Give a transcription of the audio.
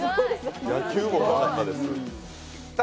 野球もうまかったです。